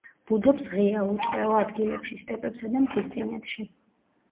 ბუდობს ღია, უტყეო ადგილებში, სტეპებსა და მთისწინეთში.